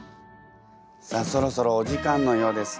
さあそろそろお時間のようです。